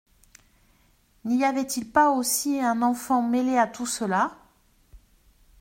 N’y avait-il pas aussi un enfant mêlé à tout cela ?